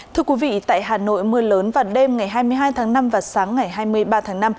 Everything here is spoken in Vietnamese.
thưa quý vị tại hà nội mưa lớn vào đêm ngày hai mươi hai tháng năm và sáng ngày hai mươi ba tháng năm